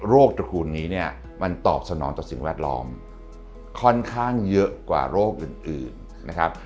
ตระกูลนี้เนี่ยมันตอบสนองต่อสิ่งแวดล้อมค่อนข้างเยอะกว่าโรคอื่นนะครับ